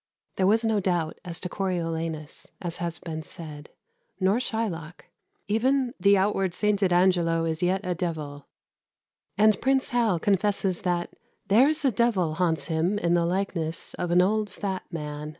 There was no doubt as to Coriolanus, as has been said; nor Shylock. Even "the outward sainted Angelo is yet a devil;" and Prince Hal confesses that "there is a devil haunts him in the likeness of an old fat man